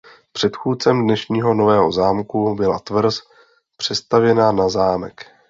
Předchůdcem dnešního nového zámku byla tvrz přestavěná na zámek.